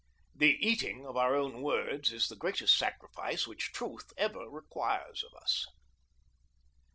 The eating of our own words is the greatest sacrifice which truth ever requires of us.